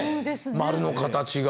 丸の形が。